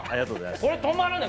これ、止まらない。